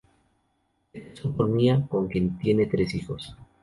Se casó con Mia, con quien tiene tres hijos.